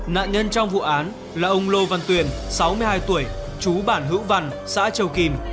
nạn nhân trong vụ án là ông lô văn tuyền sáu mươi hai tuổi chú bản hữu văn xã châu kim